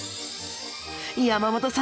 山本さん